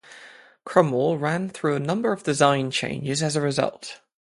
Cromwell ran through a number of design changes as a result.